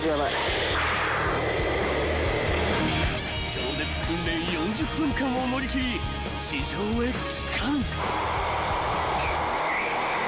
［超絶訓練４０分間を乗り切り地上へ帰還］